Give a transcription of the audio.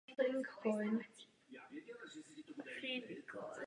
Páry žijí v dlouhodobém svazku a používají ke hnízdění po mnoho let stejné místo.